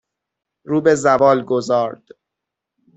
رو به زوال گذارد